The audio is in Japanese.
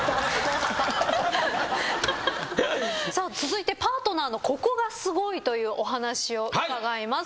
さあ続いてパートナーのここがすごいというお話を伺います。